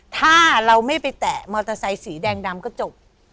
ถ้าเราไม่ไปแตะมอเตอร์ไซค์สีแดงดำก็จบ